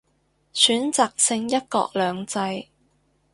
選擇性一國兩制